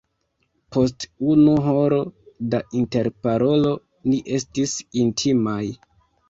Post unu horo da interparolo, ni estis intimaj.